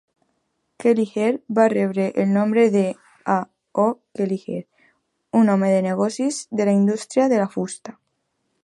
Kelliher va rebre el nom de A. O. Kelliher, un home de negocis de la indústria de la fusta.